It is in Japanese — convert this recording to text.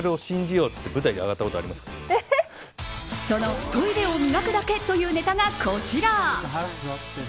その、トイレを磨くだけというネタがこちら。